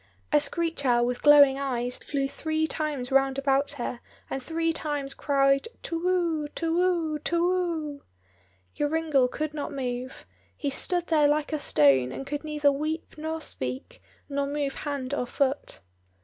A screech owl with glowing eyes flew three times round about her, and three times cried, "to whoo, to whoo, to whoo!" Joringel could not move: he stood there like a stone, and could neither weep nor speak, nor move hand or foot.